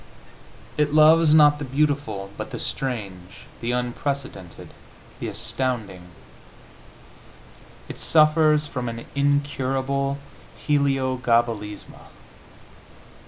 It loves, not the beautiful, but the strange, the unprecedented, the astounding; it suffers from an incurable héliogabalisme.